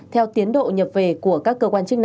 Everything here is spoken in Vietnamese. theo tiến độ nhập về của các cơ quan chức năng